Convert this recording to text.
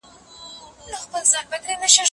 پرمختللې تکنالوژي موږ ته ډيره ګرانه تماميږي.